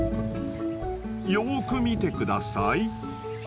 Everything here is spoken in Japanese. よく見て下さい。